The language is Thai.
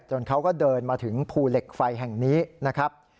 เขาก็เดินมาถึงภูเหล็กไฟแห่งนี้นะครับ